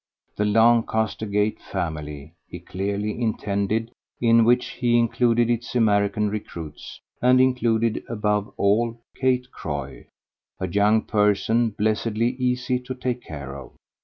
The Lancaster Gate family, he clearly intended, in which he included its American recruits, and included above all Kate Croy a young person blessedly easy to take care of.